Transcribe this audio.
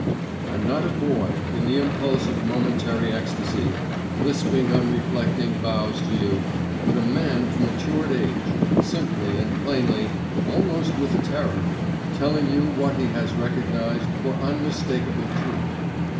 I'm not a boy, in the impulse of momentary ecstasy, lisping unreflecting vows to you, but a man of matured age simply and plainly, almost with terror, telling you what he has recognised for unmistakable truth.